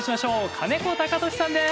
金子貴俊さんです。